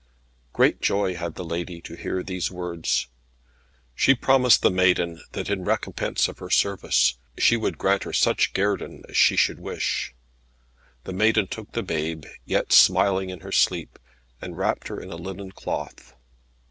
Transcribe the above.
Great joy had the lady to hear these words. She promised the maiden that in recompense of her service, she would grant her such guerdon as she should wish. The maiden took the babe yet smiling in her sleep and wrapped her in a linen cloth.